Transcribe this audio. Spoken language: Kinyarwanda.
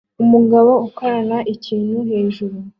Umugabo ukorana ikintu hejuru